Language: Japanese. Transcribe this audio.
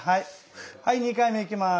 ２回目いきます。